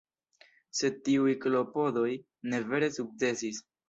Sed tiuj klopodoj ne vere sukcesis.